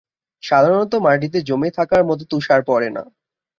সাধারণত মাটিতে জমে থাকার মতো তুষার পড়ে না।